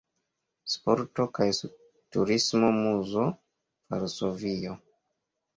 Sporto kaj Turismo-Muzo, Varsovio.